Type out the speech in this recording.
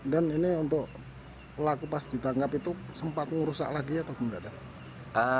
dan ini untuk pelaku pas ditangkap itu sempat merusak lagi atau tidak